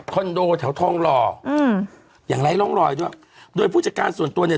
โดแถวทองหล่ออืมอย่างไร้ร่องรอยด้วยโดยผู้จัดการส่วนตัวเนี่ย